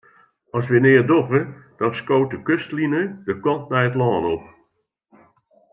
As wy neat dogge, dan skoot de kustline de kant nei it lân op.